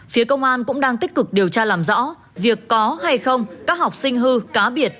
phía công an cũng đang tích cực điều tra làm rõ việc có hay không các học sinh hư cá biệt